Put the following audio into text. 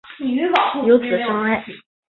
有子章碣。